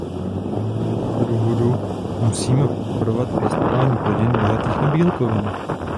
Z toho důvodu musíme podporovat pěstování plodin bohatých na bílkoviny.